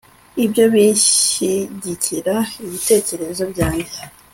ibyo bishyigikira ibitekerezo byanjye